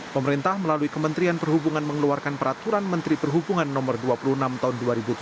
pemerintah melalui kementerian perhubungan mengeluarkan peraturan menteri perhubungan no dua puluh enam tahun dua ribu tujuh belas